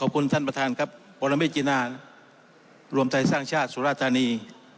ขอบคุณท่านประธานครับประวังวิจินารวมใดสร้างชาติสุรภัณฑ์นี่